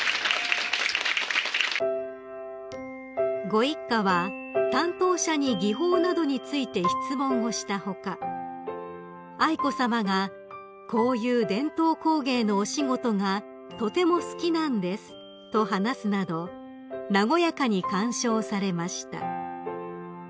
［ご一家は担当者に技法などについて質問をした他愛子さまが「こういう伝統工芸のお仕事がとても好きなんです」と話すなど和やかに鑑賞されました］